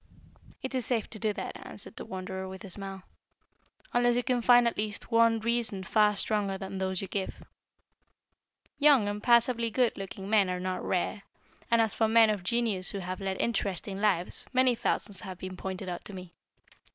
"It is safe to do that," answered the Wanderer with a smile, "unless you can find at least one reason far stronger than those you give. Young and passably good looking men are not rare, and as for men of genius who have led interesting lives, many thousands have been pointed out to me.